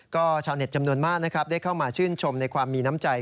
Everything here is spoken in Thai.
ก็ชาวเน็ตจำนวนมากนะครับได้เข้ามาชื่นชมในความมีน้ำใจ